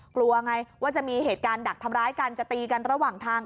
กลัวไงว่าจะมีเหตุการณ์ดักทำร้ายกันจะตีกันระหว่างทาง